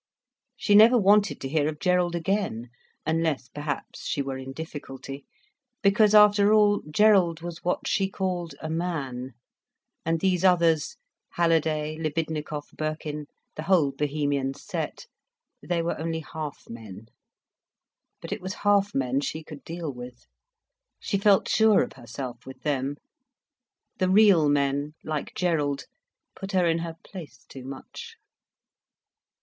She never wanted to hear of Gerald again; unless, perhaps, she were in difficulty; because after all, Gerald was what she called a man, and these others, Halliday, Libidnikov, Birkin, the whole Bohemian set, they were only half men. But it was half men she could deal with. She felt sure of herself with them. The real men, like Gerald, put her in her place too much.